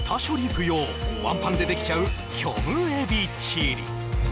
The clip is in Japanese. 不要ワンパンでできちゃう虚無エビチリ